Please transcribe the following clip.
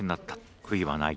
悔いはない。